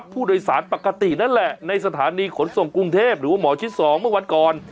ผู้โดยสารปกตินั่นแหละในสถานีขนส่งกรุงเทพหรือว่าหมอชิด๒เมื่อวันก่อน